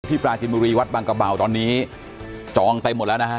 พี่ปราชินโมรีวัดบังกระเบาตอนนี้